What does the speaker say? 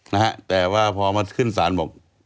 นะฮะแต่ว่าพอมาขึ้นศาลบอก